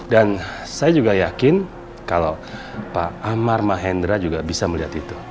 dan saya juga yakin kalau pak amar mahendra juga bisa melihat itu